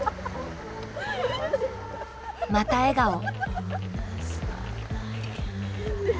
また笑顔。